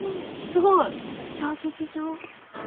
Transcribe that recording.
すごい。射撃場。